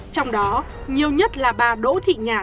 trong đó nhiều nhất là bà đỗ thị nhàn